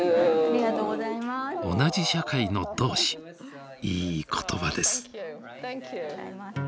同じ社会の「同志」いい言葉です。